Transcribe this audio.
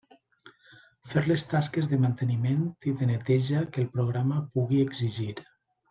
Fer les tasques de manteniment i de neteja, que el programa pugui exigir.